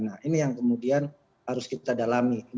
nah ini yang kemudian harus kita dalami